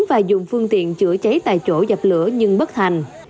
và dùng phương tiện chữa cháy tại chỗ dập lửa nhưng bất thành